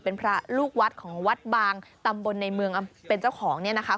เป็นพระลูกวัดของวัดบางตำบลในเมืองเป็นเจ้าของเนี่ยนะคะ